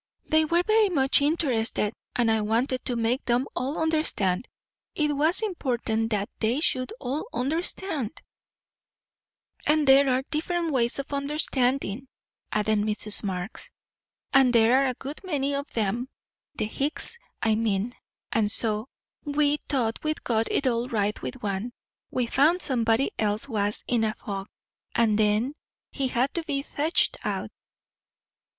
"They were very much interested, and I wanted to make them all understand it was important that they should all understand " "And there are different ways of understanin'," added Mrs. Marx; "and there are a good many of 'em the Hicks's, I mean; and so, when we thought we'd got it all right with one, we found somebody else was in a fog; and then he had to be fetched out."